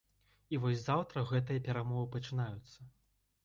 І вось заўтра гэтыя перамовы пачынаюцца.